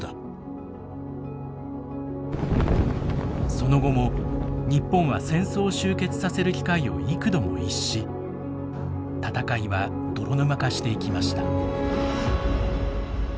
その後も日本は戦争を終結させる機会を幾度も逸し戦いは泥沼化していきました。